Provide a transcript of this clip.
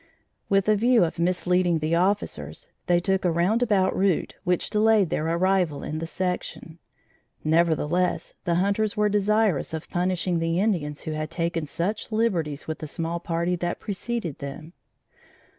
With a view of misleading the officers, they took a roundabout route which delayed their arrival in the section. Nevertheless, the hunters were desirous of punishing the Indians who had taken such liberties with the small party that preceded them.